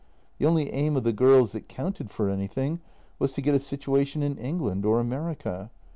The only aim of the girls that counted for any thing was to get a situation in England or America.